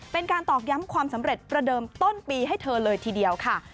ตอกย้ำความสำเร็จประเดิมต้นปีให้เธอเลยทีเดียวค่ะ